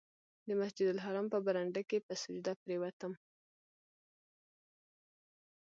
د مسجدالحرام په برنډه کې په سجده پرېوتم.